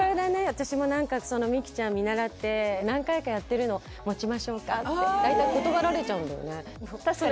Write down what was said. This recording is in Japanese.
私も何か美紀ちゃん見習って何回かやってるの「持ちましょうか？」って大体断られちゃうんだよね